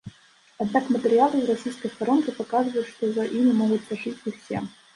Аднак матэрыялы з расійскай старонкі паказваюць, што за імі могуць сачыць усе.